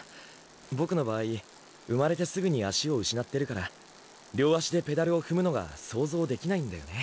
ボクの場合生まれてすぐに足を失ってるから両足でペダルを踏むのが想像できないんだよね。